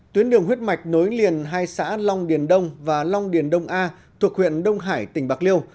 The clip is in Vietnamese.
tuyến đường huyết mạch nối liền hai xã long điền đông và long điền đông a thuộc huyện đông hải tỉnh bạc liêu